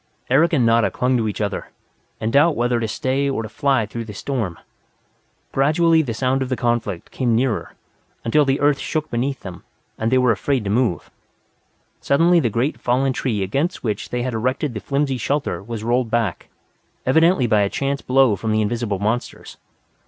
Eric and Nada clung to each other, in doubt whether to stay or to fly through the storm. Gradually the sound of the conflict came nearer, until the earth shook beneath them, and they were afraid to move. Suddenly the great fallen tree against which they had erected the flimsy shelter was rolled back, evidently by a chance blow from the invisible monsters.